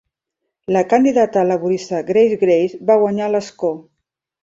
La candidata laborista Grace Grace va guanyar l'escó.